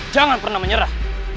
jangan pernah menyerah